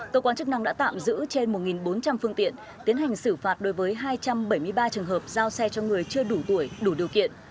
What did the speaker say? cơ quan chức năng đã tạm giữ trên một bốn trăm linh phương tiện tiến hành xử phạt đối với hai trăm bảy mươi ba trường hợp giao xe cho người chưa đủ tuổi đủ điều kiện